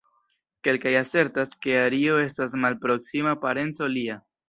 Kelkaj asertas, ke Ario estas malproksima parenco lia.